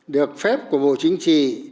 được phép của bộ chính trị